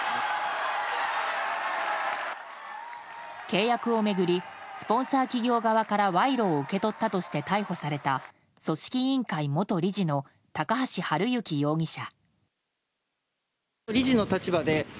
契約を巡りスポンサー企業側から賄賂を受け取ったとして逮捕された、組織委員会元理事の高橋治之容疑者。